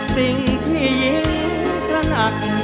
สิ่งที่หญิงตระหนัก